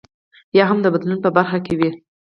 یا هم د بدلون په برخه کې وي.